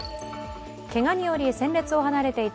けがにより戦列を離れていた